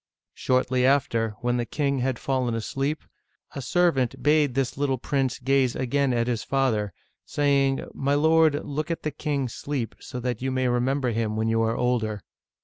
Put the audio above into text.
Shortly after, when the king had fallen asleep, a servant bade this little prince gaze again at his father, saying, " My lord, look at the king asleep, so that you may re member him when you are older."